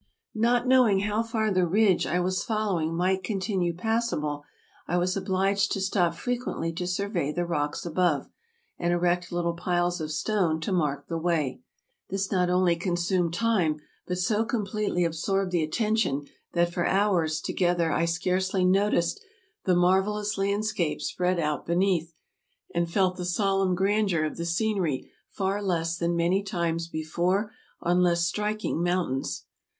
Not knowing how far the ridge I was following might continue passable, I was obliged to stop frequently to sur vey the rocks above, and erect little piles of stone to mark the way. This not only consumed time, but so completely absorbed the attention that for hours together I scarcely no ticed the marvelous landscape spread out beneath, and felt the solemn grandeur of the scenery far less than many times before on less striking mountains.